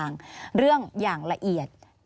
อันดับ๖๓๕จัดใช้วิจิตร